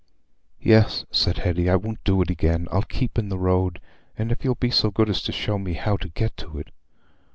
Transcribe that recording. "Yes," said Hetty, "I won't do it again. I'll keep in the road, if you'll be so good as show me how to get to it."